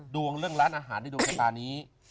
เรื่องร้านอาหารในดวงชะตานี้